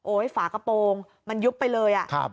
โอ้ยฝากระโปรงมันยุบไปเลยอ่ะ